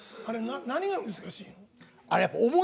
何が難しい？